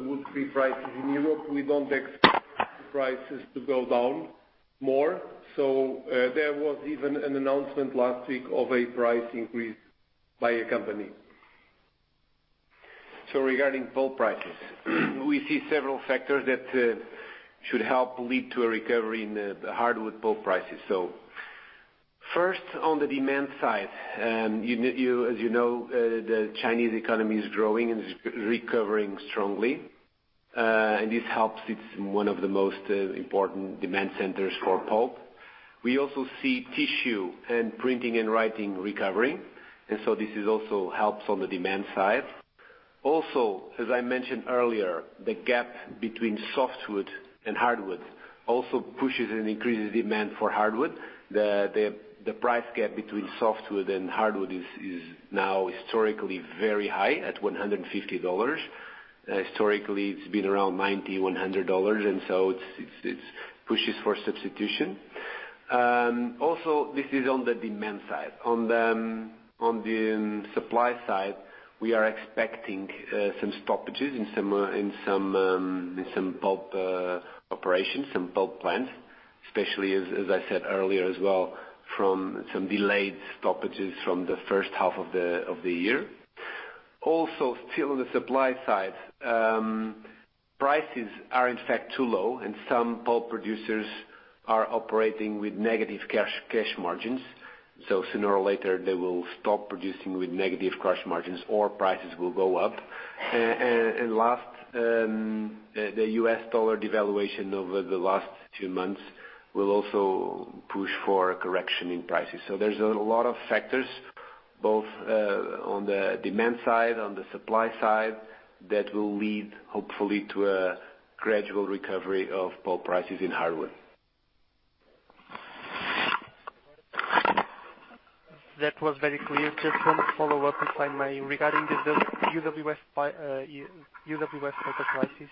woodfree prices in Europe, we don't expect prices to go down more. There was even an announcement last week of a price increase by a company. Regarding pulp prices, we see several factors that should help lead to a recovery in the hardwood pulp prices. First, on the demand side, as you know, the Chinese economy is growing and is recovering strongly. This helps, it's one of the most important demand centers for pulp. We also see tissue and printing and writing recovering, and so this also helps on the demand side. Also, as I mentioned earlier, the gap between softwood and hardwood also pushes and increases demand for hardwood. The price gap between softwood and hardwood is now historically very high at EUR 150. Historically, it's been around EUR 90, EUR 100, and so it pushes for substitution. Also, this is on the demand side. On the supply side, we are expecting some stoppages in some pulp operations, some pulp plants, especially, as I said earlier as well, from some delayed stoppages from the H1 of the year. Still on the supply side, prices are in fact too low, and some pulp producers are operating with negative cash margins. Sooner or later, they will stop producing with negative cash margins or prices will go up. Last, the U.S. dollar devaluation over the last two months will also push for a correction in prices. There's a lot of factors, both on the demand side, on the supply side, that will lead, hopefully, to a gradual recovery of pulp prices in hardwood. That was very clear. Just one follow-up if I may. Regarding the UWF paper prices,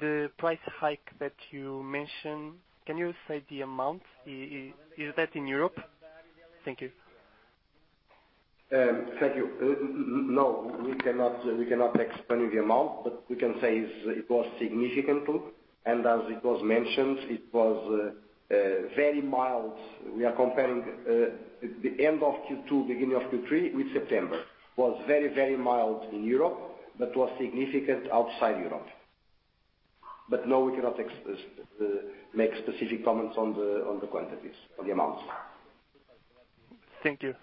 the price hike that you mentioned, can you say the amount? Is that in Europe? Thank you. Thank you. We cannot explain the amount, but we can say it was significant. As it was mentioned, it was very mild. We are comparing the end of Q2, beginning of Q3, with September. It was very, very mild in Europe, but was significant outside Europe. We cannot make specific comments on the quantities or the amounts. Thank you.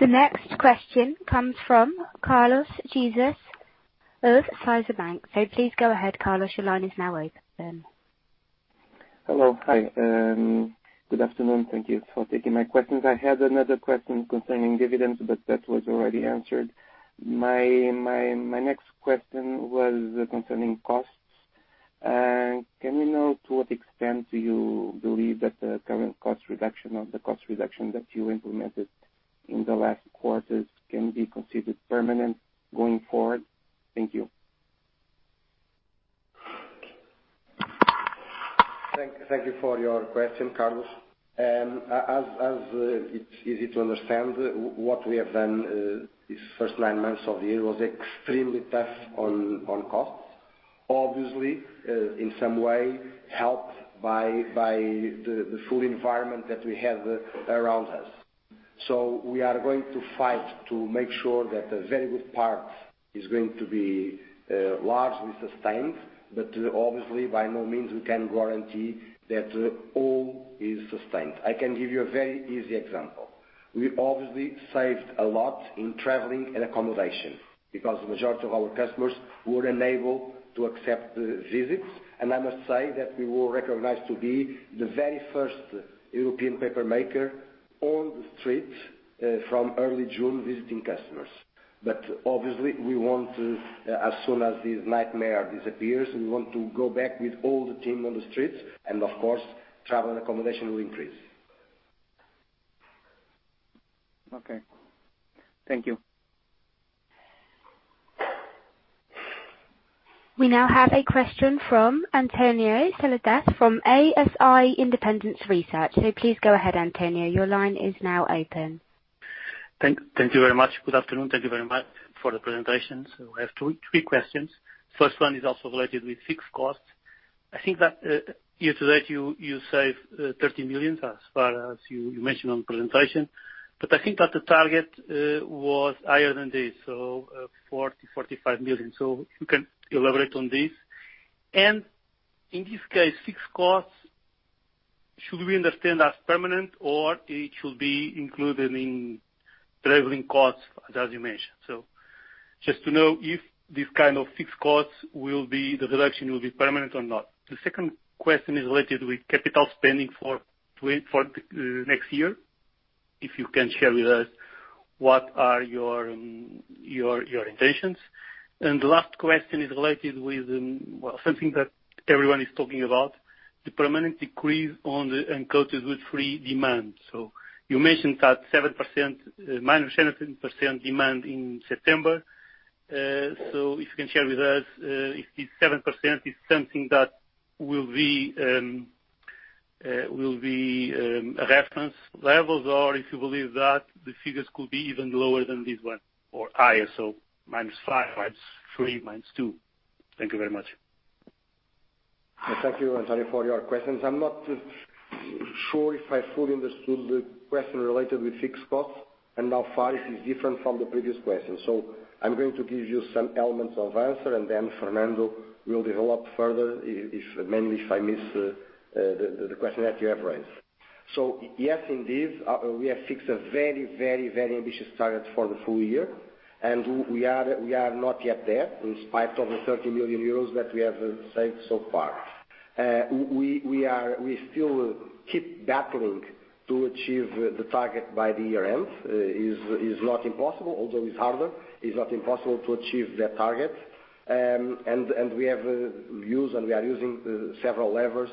The next question comes from Carlos Jesus of Caixa Banco. Please go ahead, Carlos. Your line is now open. Hello. Hi. Good afternoon. Thank you for taking my questions. I had another question concerning dividends, but that was already answered. My next question was concerning costs. Can you know to what extent do you believe that the current cost reduction or the cost reduction that you implemented in the last quarters can be considered permanent going forward? Thank you. Thank you for your question, Carlos. As it is easy to understand, what we have done these first nine months of the year was extremely tough on costs, obviously, in some way helped by the full environment that we have around us. We are going to fight to make sure that a very good part is going to be largely sustained, but obviously, by no means we can guarantee that all is sustained. I can give you a very easy example. We obviously saved a lot in traveling and accommodation because the majority of our customers were unable to accept the visits. I must say that we were recognized to be the very first European paper maker on the street from early June visiting customers. Obviously, as soon as this nightmare disappears, we want to go back with all the team on the streets, and of course, travel and accommodation will increase. Okay. Thank you. We now have a question from Antonio Seixas from AS Independent Research. Please go ahead, Antonio. Your line is now open. Thank you very much. Good afternoon. Thank you very much for the presentation. I have three questions. First one is also related with fixed costs. I think that year-to-date, you saved 30 million, as far as you mentioned on presentation. I think that the target was higher than this, 40-45 million. If you can elaborate on this. In this case, fixed costs, should we understand as permanent or it should be included in traveling costs as you mentioned? Just to know if this kind of fixed costs, the reduction will be permanent or not. The second question is related with capital spending for the next year. If you can share with us what are your intentions. The last question is related with something that everyone is talking about, the permanent decrease on the uncoated woodfree demand. You mentioned that minus 17% demand in September. If you can share with us if this 7% is something that will be reference levels, or if you believe that the figures could be even lower than this one or higher, minus 5%, minus 3%, minus 2%. Thank you very much. Thank you, Antonio, for your questions. I'm not sure if I fully understood the question related with fixed costs and how far it is different from the previous question. I'm going to give you some elements of answer, and then Fernando will develop further, mainly if I miss the question that you have raised. Yes, indeed, we have fixed a very ambitious target for the full year. We are not yet there in spite of the €30 million that we have saved so far. We still keep battling to achieve the target by the year-end. It's not impossible, although it's harder, it's not impossible to achieve that target. We are using several levers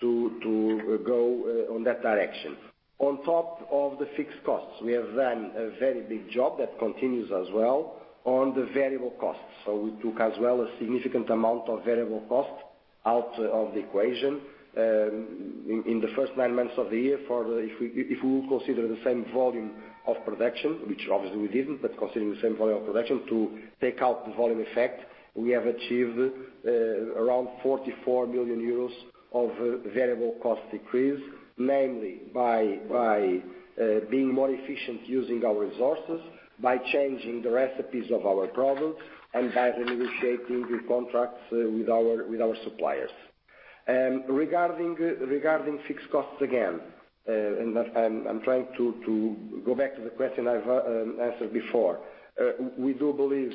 to go on that direction. On top of the fixed costs, we have done a very big job that continues as well on the variable costs. We took as well a significant amount of variable cost out of the equation. In the first nine months of the year, if we will consider the same volume of production, which obviously we didn't, but considering the same volume of production to take out the volume effect. We have achieved around 44 million euros of variable cost decrease, namely by being more efficient using our resources, by changing the recipes of our products, and by renegotiating the contracts with our suppliers. Regarding fixed costs again, I'm trying to go back to the question I've answered before. We do believe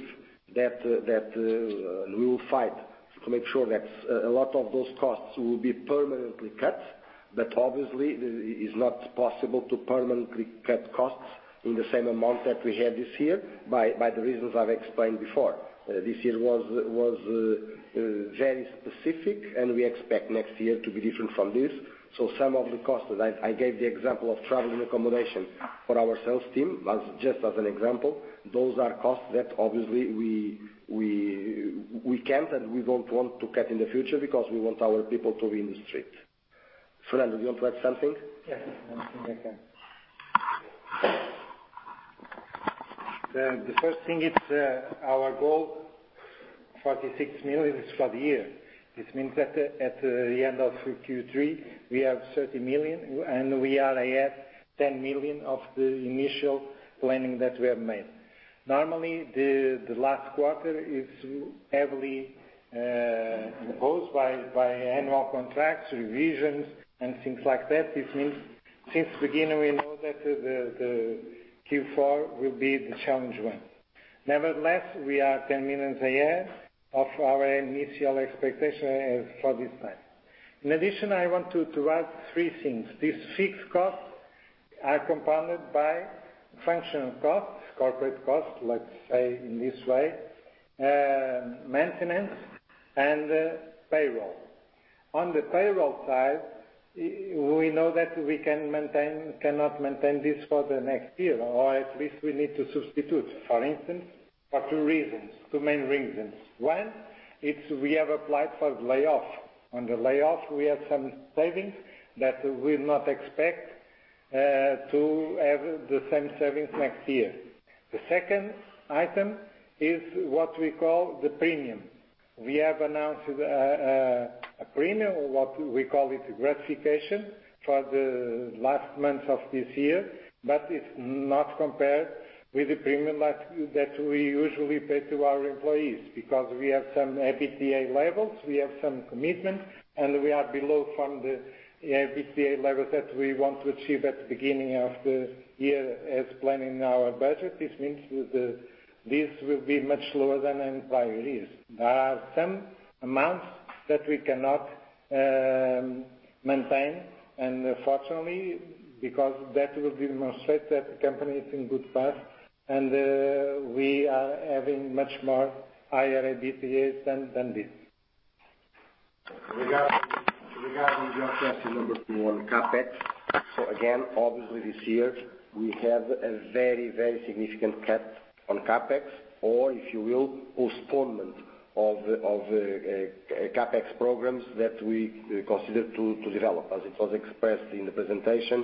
that we will fight to make sure that a lot of those costs will be permanently cut, but obviously, it's not possible to permanently cut costs in the same amount that we had this year by the reasons I've explained before. This year was very specific, and we expect next year to be different from this. Some of the costs that I gave the example of travel and accommodation for our sales team was just as an example. Those are costs that obviously we can't and we don't want to cut in the future because we want our people to be in the street. Fernando, you want to add something? Yes. The first thing is our goal, 46 million is for the year. This means that at the end of Q3, we have 30 million and we are ahead 10 million of the initial planning that we have made. Normally, the last quarter is heavily imposed by annual contracts, revisions, and things like that. This means since the beginning, we know that the Q4 will be the challenge one. Nevertheless, we are 10 million ahead of our initial expectation for this time. In addition, I want to add three things. These fixed costs are compounded by functional costs, corporate costs, let's say in this way, maintenance and payroll. On the payroll side, we know that we cannot maintain this for the next year, or at least we need to substitute, for instance, for two reasons, two main reasons. One, it's we have applied for layoff. On the layoff, we have some savings that we'll not expect to have the same savings next year. The second item is what we call the premium. We have announced a premium, or what we call it gratification, for the last months of this year, but it's not compared with the premium that we usually pay to our employees, because we have some EBITDA levels, we have some commitment, and we are below from the EBITDA levels that we want to achieve at the beginning of the year as planned in our budget. This means this will be much lower than employees. Fortunately, because that will demonstrate that the company is in good path, and we are having much more higher EBITDA than this. Regarding your question number two on CapEx. Again, obviously this year we have a very significant cut on CapEx or, if you will, postponement of the CapEx programs that we consider to develop. As it was expressed in the presentation,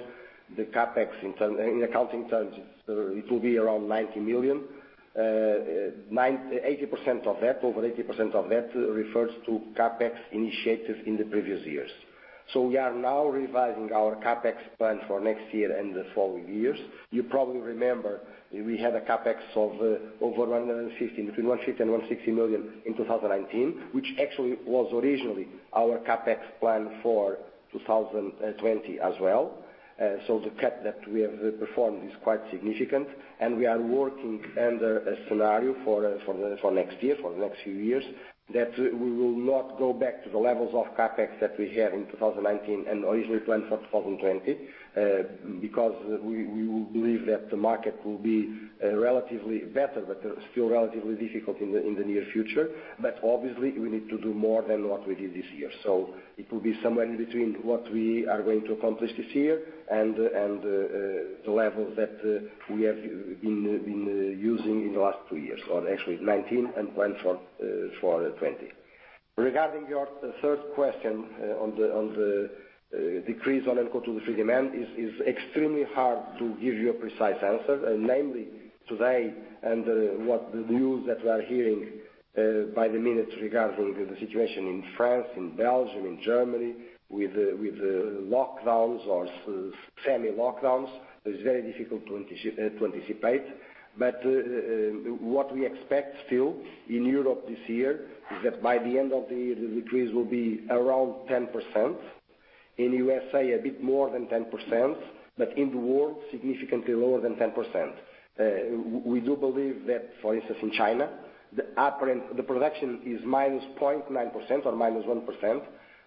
the CapEx in accounting terms, it will be around 90 million. Over 80% of that refers to CapEx initiatives in the previous years. We are now revising our CapEx plan for next year and the following years. You probably remember that we had a CapEx of over between 150 million and 160 million in 2019, which actually was originally our CapEx plan for 2020 as well. The cut that we have performed is quite significant, and we are working under a scenario for next year, for the next few years, that we will not go back to the levels of CapEx that we had in 2019 and originally planned for 2020. We believe that the market will be relatively better, but still relatively difficult in the near future. Obviously we need to do more than what we did this year. It will be somewhere in between what we are going to accomplish this year and the levels that we have been using in the last two years or actually 2019 and planned for 2020. Regarding your third question on the decrease on uncoated woodfree demand, it is extremely hard to give you a precise answer, namely today under what the news that we are hearing by the minute regarding the situation in France, in Belgium, in Germany with the lockdowns or semi-lockdowns, it's very difficult to anticipate. What we expect still in Europe this year is that by the end of the year, the decrease will be around 10%. In U.S.A., a bit more than 10%. In the world, significantly lower than 10%. We do believe that, for instance, in China, the production is minus 0.9% or minus 1%.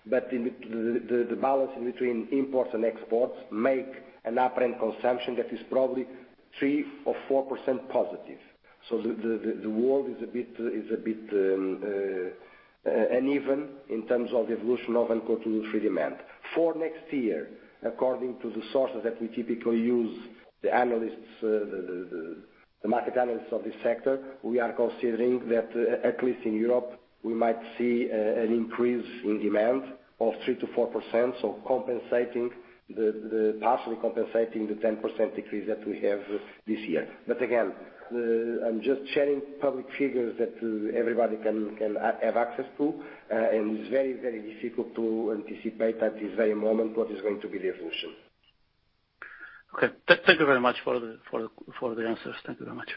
The balance in between imports and exports make an apparent consumption that is probably 3% or 4% positive. The world is a bit uneven in terms of evolution of uncoated woodfree demand. For next year, according to the sources that we typically use, the market analysts of this sector, we are considering that, at least in Europe, we might see an increase in demand of 3%-4%, partially compensating the 10% decrease that we have this year. Again, I am just sharing public figures that everybody can have access to, and it is very difficult to anticipate at this very moment what is going to be the evolution. Okay. Thank you very much for the answers. Thank you very much.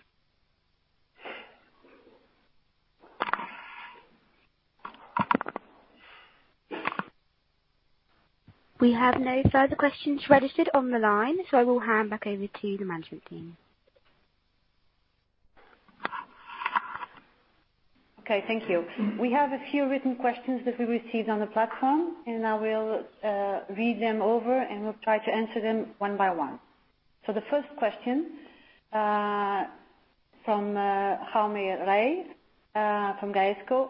We have no further questions registered on the line, so I will hand back over to the management team. Okay. Thank you. We have a few written questions that we received on the platform. I will read them over, and we'll try to answer them one by one. The first question from Jaime Rey from Gaesco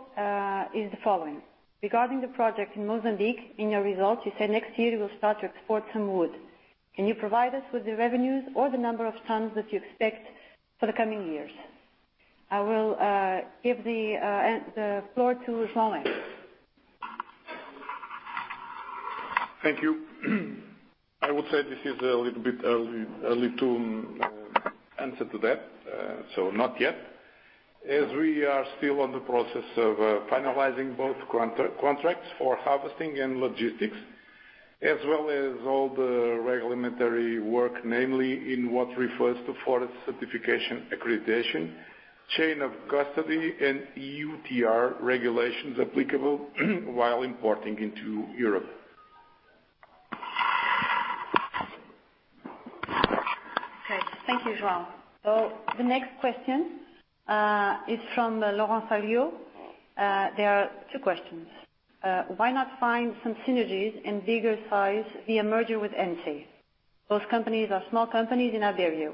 is the following: regarding the project in Mozambique, in your results, you said next year you will start to export some wood. Can you provide us with the revenues or the number of tons that you expect for the coming years? I will give the floor to João. Thank you. I would say this is a little bit early to answer to that. Not yet. As we are still on the process of finalizing both contracts for harvesting and logistics, as well as all the regulatory work, namely in what refers to forest certification, accreditation, chain of custody and EUTR regulations applicable while importing into Europe. Okay. Thank you, João. The next question is from Laurent Fario. There are two questions. Why not find some synergies and bigger size via merger with Ence? Those companies are small companies in Iberia.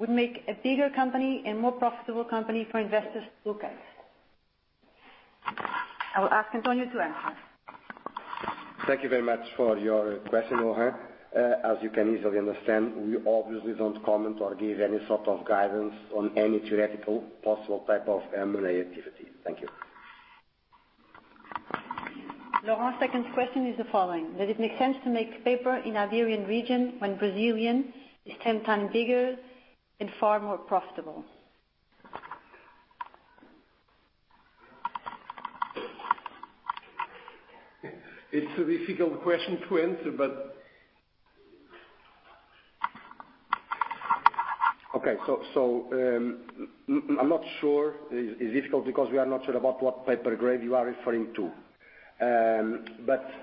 Would make a bigger company a more profitable company for investors to look at. I will ask António to answer. Thank you very much for your question, Laurent. As you can easily understand, we obviously don't comment or give any sort of guidance on any theoretical possible type of M&A activity. Thank you. Laurent's second question is the following: Does it make sense to make paper in Iberian region when Brazilian is 10 times bigger and far more profitable? It's a difficult question to answer. Okay. I'm not sure. It is difficult because we are not sure about what paper grade you are referring to.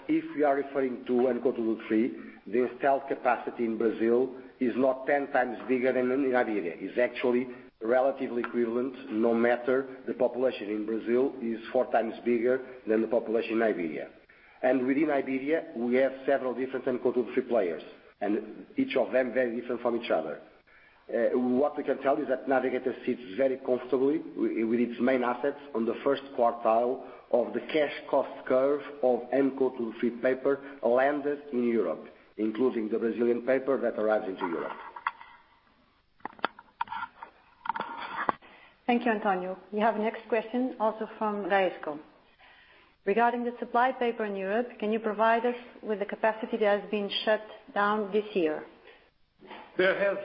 If you are referring to uncoated woodfree, the installed capacity in Brazil is not 10 times bigger than in Iberia. It is actually relatively equivalent, no matter the population in Brazil is four times bigger than the population in Iberia. Within Iberia, we have several different uncoated woodfree players, and each of them very different from each other. What we can tell you is that Navigator sits very comfortable with its main assets on the first quartile of the cash cost curve of uncoated woodfree paper landed in Europe, including the Brazilian paper that arrives at Europe. Thank you, Antonio. We have next question also from Gaesco. Regarding the supply paper in Europe, can you provide us with the capacity that has been shut down this year? There has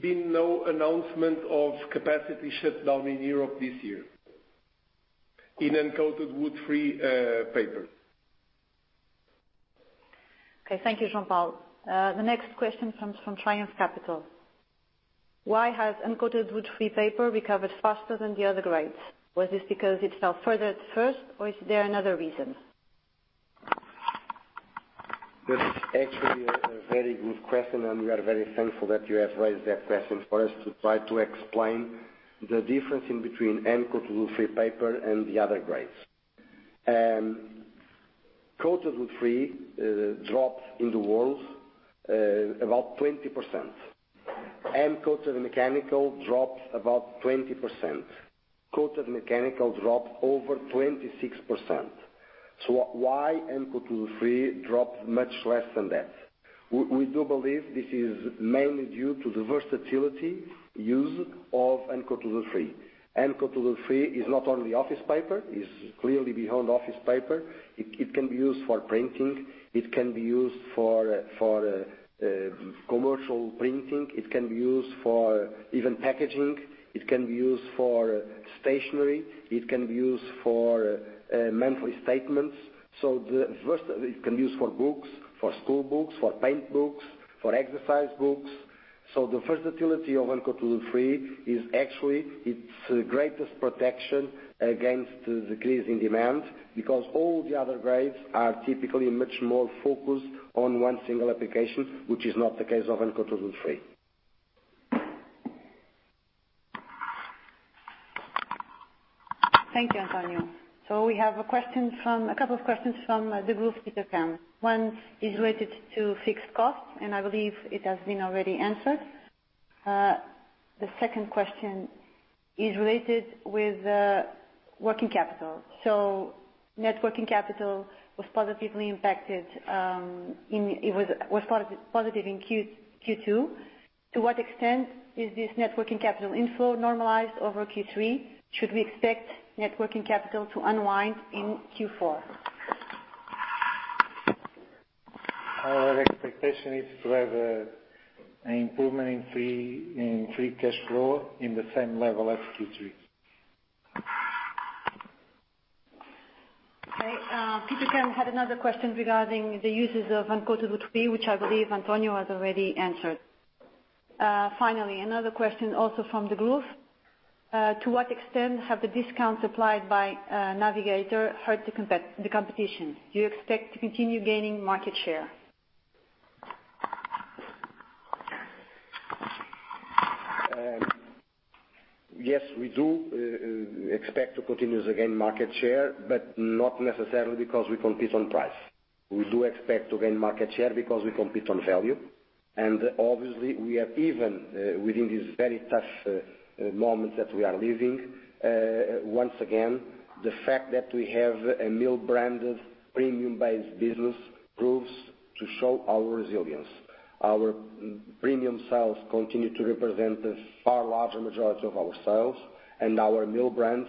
been no announcement of capacity shut down in Europe this year in uncoated woodfree paper. Okay. Thank you, João Paulo. The next question comes from Triumph Capital. Why has uncoated woodfree paper recovered faster than the other grades? Was this because it fell further at first, or is there another reason? That is actually a very good question, and we are very thankful that you have raised that question for us to try to explain the difference in between uncoated woodfree paper and the other grades. Coated woodfree dropped in the world about 20%. Uncoated mechanical dropped about 20%. Coated mechanical dropped over 26%. Why uncoated woodfree dropped much less than that? We do believe this is mainly due to the versatility use of uncoated woodfree. Uncoated woodfree is not only office paper, is clearly beyond office paper. It can be used for printing. It can be used for commercial printing. It can be used for even packaging. It can be used for stationery. It can be used for monthly statements. It can be used for books, for schoolbooks, for paint books, for exercise books. The versatility of uncoated woodfree is actually its greatest protection against the decrease in demand because all the other grades are typically much more focused on one single application, which is not the case of uncoated woodfree. Thank you, Antonio. We have a couple of questions from Degroof Petercam. One is related to fixed cost, and I believe it has been already answered. The second question is related with working capital. Net working capital was positive in Q2. To what extent is this net working capital inflow normalized over Q3? Should we expect net working capital to unwind in Q4? Our expectation is to have an improvement in free cash flow in the same level as Q3. Okay. Petercam had another question regarding the uses of uncoated woodfree, which I believe Antonio has already answered. Another question also from the group. To what extent have the discounts applied by Navigator hurt the competition? Do you expect to continue gaining market share? Yes, we do expect to continue to gain market share, but not necessarily because we compete on price. We do expect to gain market share because we compete on value, and obviously we have even, within these very tough moments that we are living, once again, the fact that we have a mill brand of premium-based business proves to show our resilience. Our premium sales continue to represent the far larger majority of our sales, and our mill brands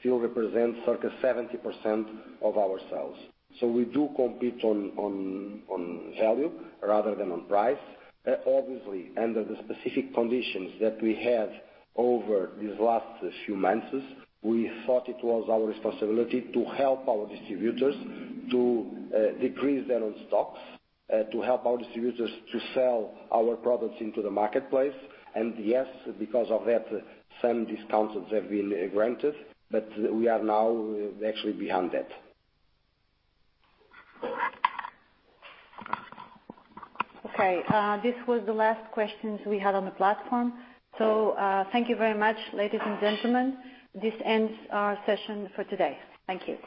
still represent circa 70% of our sales. We do compete on value rather than on price. Obviously, under the specific conditions that we have over these last few months, we thought it was our responsibility to help our distributors to decrease their own stocks, to help our distributors to sell our products into the marketplace. Yes, because of that, some discounts have been granted. We are now actually beyond that. Okay. This was the last questions we had on the platform. Thank you very much, ladies and gentlemen. This ends our session for today. Thank you.